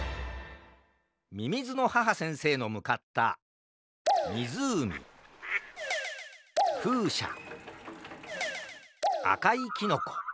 みみずの母先生のむかったみずうみふうしゃあかいキノコ